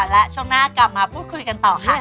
และช่วงหน้ากลับมาพูดคุยกันต่อค่ะ